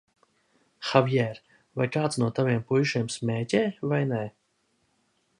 Havjēr, vai kāds no taviem puišiem smēķē, vai nē?